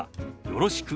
「よろしく」。